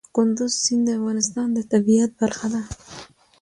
کندز سیند د افغانستان د طبیعت برخه ده.